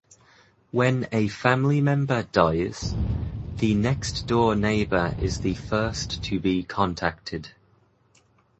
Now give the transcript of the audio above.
When a family member dies, the next-door neighbor is the first to be contacted.